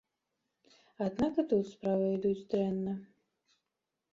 Аднак і тут справа ідуць дрэнна.